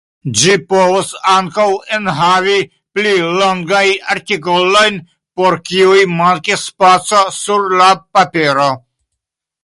Ĝi povus ankaŭ enhavi pli longajn artikolojn, por kiuj mankis spaco sur la papero.